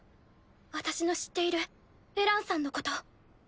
私の知っているエランさんのこと。